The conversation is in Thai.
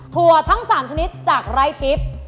ถั่วทั้ง๓ชนิดจากไร้ซิป